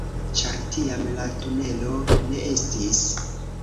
Ĉar tiam la tunelo ne estis